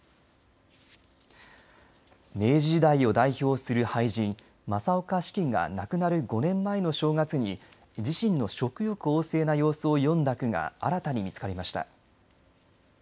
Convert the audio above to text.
明治時代を代表する俳人正岡子規が亡くなる５年前の正月に自身の食欲旺盛な様子を詠んだ句が新たに見つかりました。